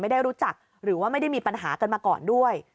ไม่ได้รู้จักหรือว่าไม่ได้มีปัญหากันมาก่อนด้วย